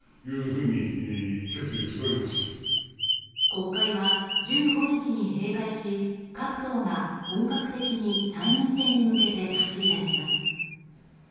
国会は１５日に閉会し各党が本格的に参院選に向けて走り出します。